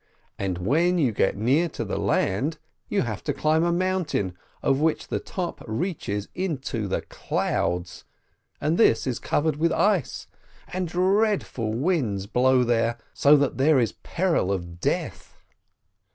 And when you get near to the land, you have to climb a mountain of which the top reaches into the clouds, and this is covered with ice, and dread ful winds blow there, so that there is peril of death!